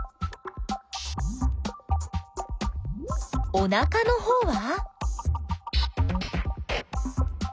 おなかのほうは？